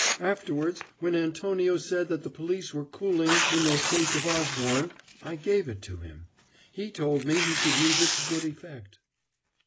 Afterwards, when Antonio said that the police were cooling in their chase of Osborne, I gave it to him; he told me he could use it to good effect."